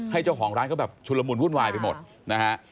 เจ้าของร้านเขาแบบชุลมุนวุ่นวายไปหมดนะฮะ